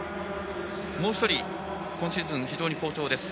もう１人、今シーズン非常に好調です。